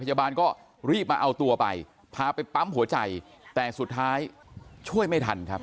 พยาบาลก็รีบมาเอาตัวไปพาไปปั๊มหัวใจแต่สุดท้ายช่วยไม่ทันครับ